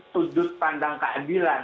sudut pandang keadilan